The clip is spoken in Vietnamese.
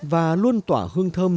và luôn tỏa hương thơm